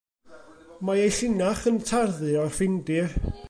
Mae ei llinach yn tarddu o'r Ffindir.